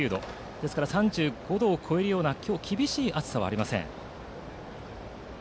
ですから３５度を超えるような今日、厳しい暑さはありません。